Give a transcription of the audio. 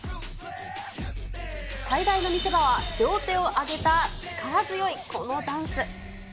最大の見せ場は、両手を挙げた力強いこのダンス。